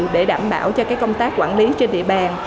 để đảm bảo cho công tác quản lý trên địa bàn